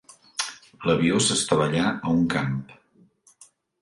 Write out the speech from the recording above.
L'avió s'estavellà a un camp.